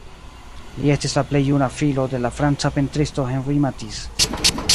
Li estis la plej juna filo de la franca pentristo Henri Matisse.